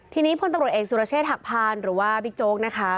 ทีนี้ผู้ตำรวจเองสุรเชษฐะพันธ์หรือว่าบิ๊กโจ๊กนะคะ